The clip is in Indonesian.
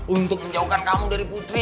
untuk menjauhkan kamu dari putri